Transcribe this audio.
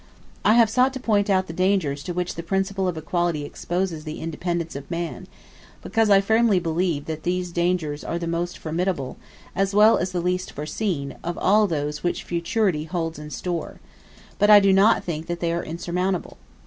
I have sought to point out the dangers to which the principle of equality exposes the independence of man, because I firmly believe that these dangers are the most formidable, as well as the least foreseen, of all those which futurity holds in store: but I do not think that they are insurmountable.